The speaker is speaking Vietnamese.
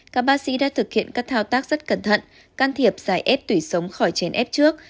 các bác sĩ đã thực hiện các thao tác rất cẩn thận can thiệp giải ép tủy sống khỏi chèn ép trước